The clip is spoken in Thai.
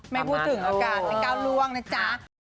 ไม่พูดถึงอากาศนะครับร่วงนะจ๊ะ